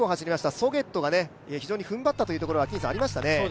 ソゲットが非常に踏ん張ったところがありましたね。